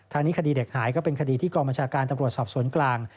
นี้คดีเด็กหายก็เป็นคดีที่กองบัญชาการตำรวจสอบสวนกลาง